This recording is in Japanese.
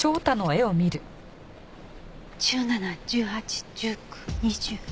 １７１８１９２０。